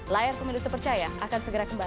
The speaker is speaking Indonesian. layar pemilu terpercaya akan segera kembali